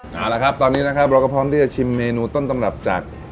เอาละครับตอนนี้นะครับเราก็พร้อมที่จะชิมเมนูต้นตำรับจาก